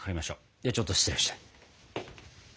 ではちょっと失礼して。